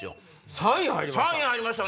３位に入りました。